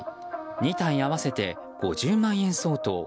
２体合わせて５０万円相当。